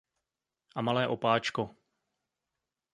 ... a malé opáčko